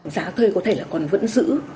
giá thuê có thể là còn vẫn giữ